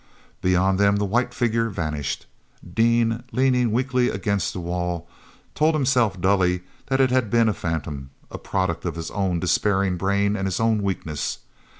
Beyond them the white figure vanished. Dean, leaning weakly against the wall, told himself dully that it had been a phantom, a product of his own despairing brain and his own weakness.